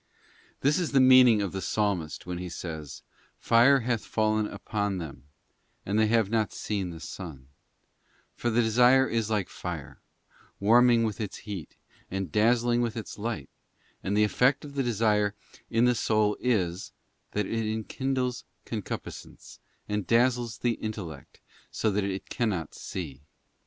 This is the meaning of the Psalmist when he said, ' Fire hath fallen upon them, and they have not seen the sun,' for the desire is like fire, warming with its heat, and dazzling with its light, and the effect of the desire in the soul is, that it enkindles concupiscence, and dazzles the intellect, so that it cannot see.